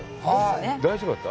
大丈夫だった？